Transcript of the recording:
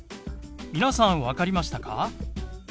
皆さん分かりましたか？